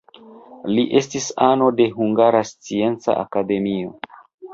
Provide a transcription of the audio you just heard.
Li estis ano de Hungara Scienca Akademio.